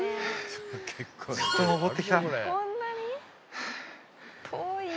ずっと上ってきた。